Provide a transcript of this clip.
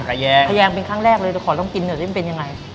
แขยงเป็นครั้งแรกเลยแต่ขอลองกินหน่อยจะเป็นยังไง